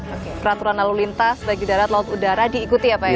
oke peraturan lalu lintas bagi darat laut udara diikuti ya pak ya